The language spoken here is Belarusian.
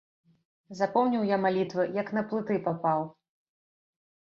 Запомніў я малітвы, як на плыты папаў.